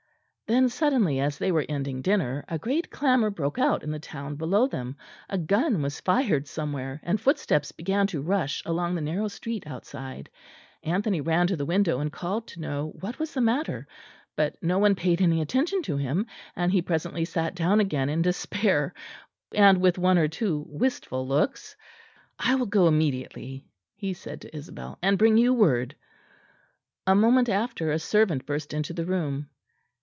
Then suddenly, as they were ending dinner, a great clamour broke out in the town below them; a gun was fired somewhere; and footsteps began to rush along the narrow street outside. Anthony ran to the window and called to know what was the matter; but no one paid any attention to him; and he presently sat down again in despair, and with one or two wistful looks. "I will go immediately," he said to Isabel, "and bring you word." A moment after a servant burst into the room.